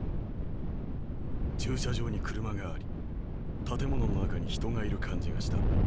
「駐車場に車があり建物の中に人がいる感じがした。